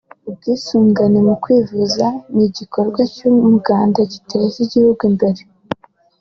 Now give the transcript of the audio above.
ubwisungane mu kwivuza n’igikorwa cy’umuganda giteza igihugu imbere